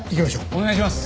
お願いします。